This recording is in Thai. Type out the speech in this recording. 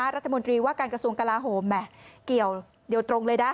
รัฐมนตรีว่าการกระทรวงกลาโหมแหมเกี่ยวเดี๋ยวตรงเลยนะ